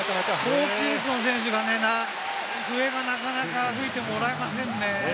ホーキンソン選手がなかなか笛を吹いてもらえませんね。